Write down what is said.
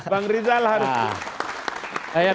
bang rizal harus